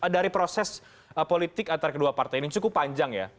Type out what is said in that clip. dari proses politik antara kedua partai ini cukup panjang ya